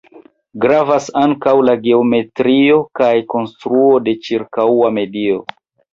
Gravas ankaŭ la geometrio kaj konstruo de ĉirkaŭa medio.